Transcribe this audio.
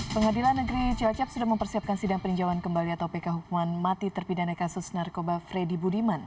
pengadilan negeri cilacap sudah mempersiapkan sidang peninjauan kembali atau pk hukuman mati terpidana kasus narkoba freddy budiman